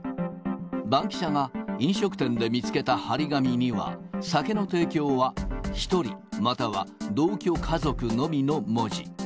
バンキシャが、飲食店で見つけた貼り紙には、酒の提供は１人または同居家族のみの文字。